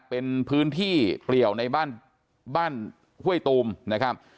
เป็นพื้นที่เปลี่ยวในบ้านบ้านห้วยตูมนะครับ